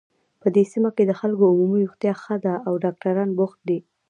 په دې سیمه کې د خلکو عمومي روغتیا ښه ده او ډاکټران بوخت دي